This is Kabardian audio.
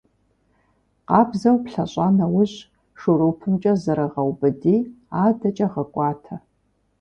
Къабзэу плъэщӀа нэужь, шурупымкӀэ зэрыгъэубыди, адэкӀэ гъэкӏуатэ.